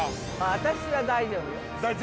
私は大丈夫よ。